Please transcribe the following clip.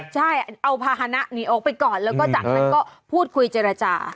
ใช่เอาภาษณะหนีออกไปก่อนแล้วก็จากนั้นก็พูดคุยเจรจา